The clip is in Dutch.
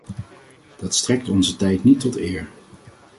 Dat strekt onze tijd niet tot eer.